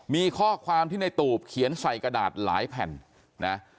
มีข้อความที่ในตูบเขียนใส่กระดาษหลายแผ่นนะ